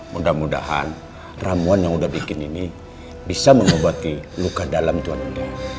mudah mudahan ramuan yang udah bikin ini bisa mengobati luka dalam tuhan ini